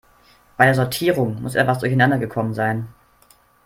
Bei der Sortierung muss etwas durcheinander gekommen sein.